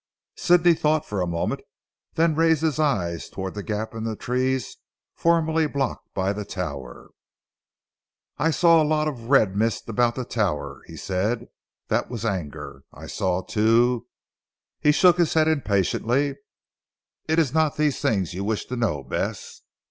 Sidney thought for a moment, then raised his eyes towards the gap in the trees formerly blocked by the tower. "I saw a lot of red mist about the tower," he said, "that was anger. I saw too " he shook his head impatiently. "It is not these things you wish to know Bess?"